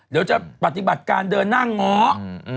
เดี๋ยวจะปฏิบัติการเดินหน้าง้อ